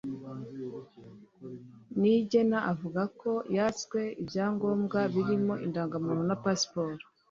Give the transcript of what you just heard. Niyigena avuga ko yatswe ibyangombwa birimo indangamuntu na Pasiporo